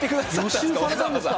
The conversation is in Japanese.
予習されたんですか！？